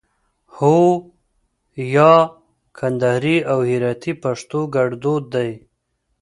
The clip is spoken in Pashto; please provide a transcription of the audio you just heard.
هو 👍 یا 👎 کندهاري او هراتي پښتو کړدود دی